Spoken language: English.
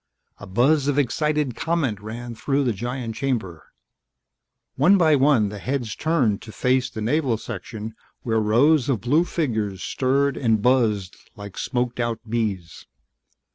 A buzz of excited comment ran through the giant chamber. One by one the heads turned to face the Naval section where rows of blue figures stirred and buzzed like smoked out bees.